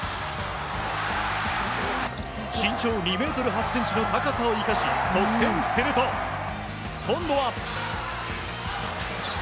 身長２ｍ８ｃｍの高さを生かし得点すると、今度は。